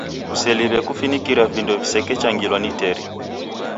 Kuseliw'e kufinikira vindo visechengilwa ni teri.